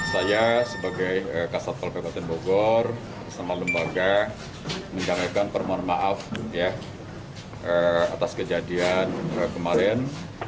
saya sebagai satpol pp kabupaten bogor bersama lembaga menjaga permohonan maaf atas kejadian kemarin